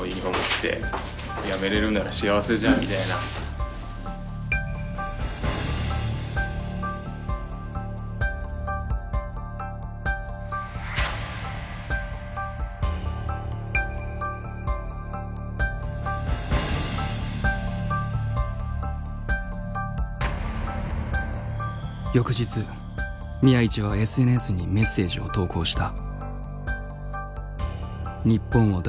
ああもうこれで翌日宮市はＳＮＳにメッセージを投稿した。